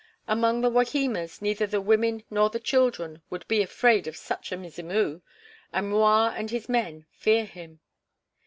Among the Wahimas, neither the women nor the children would be afraid of such a Mzimu, and M'Rua and his men fear him.